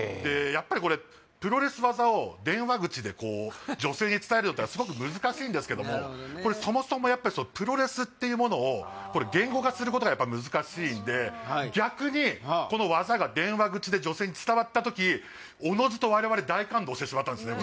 やっぱりこれプロレス技を電話口でこう女性に伝えるのってすごく難しいんですけどもなるほどねこれそもそもやっぱりプロレスっていうものを言語化することがやっぱ難しいんで逆にこの技が電話口で女性に伝わったときおのずと我々大感動してしまったんですね